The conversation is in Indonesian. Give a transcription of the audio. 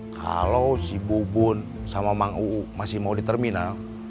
kalau si bubun sama mang uu masih mau di terminal